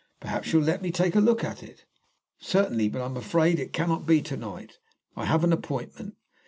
"Perhaps you'll let me have a look at it." "Certainly. But I am afraid it cannot be to night; I have an appointment.